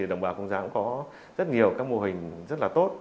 đồng bào công giáo cũng có rất nhiều các mô hình rất là tốt